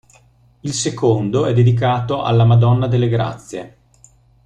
Il secondo è dedicato alla Madonna delle Grazie.